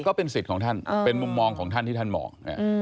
ก็เป็นสิทธิ์ของท่านเป็นมุมมองของท่านที่ท่านมอง